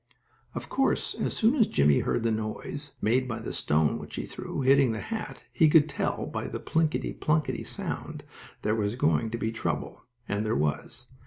Of course, as soon as Jimmie heard the noise, made by the stone which he threw, hitting the hat, he could tell by the plinkity plunkity sound that there was going to be trouble. And there was.